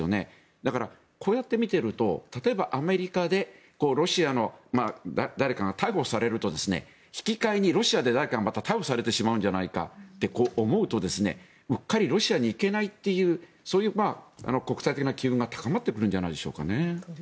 だから、こうやって見ていると例えばアメリカでロシアの誰かが逮捕されると引き換えにロシアで誰かがまた逮捕されてしまうんじゃないかと思うとうっかりロシアに行けないというそういう国際的な機運が高まってくるんじゃないでしょうか。